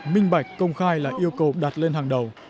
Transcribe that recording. minh bạch công khai là yêu cầu đặt lên hàng đầu